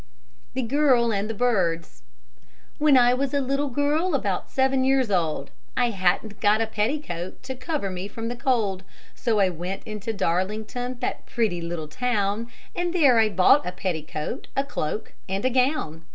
THE GIRL AND THE BIRDS When I was a little girl, about seven years old, I hadn't got a petticoat, to cover me from the cold. So I went into Darlington, that pretty little town, And there I bought a petticoat, a cloak, and a gown.